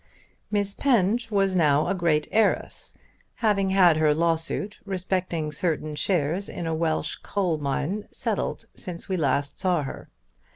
Miss Penge was now a great heiress, having had her lawsuit respecting certain shares in a Welsh coal mine settled since we last saw her.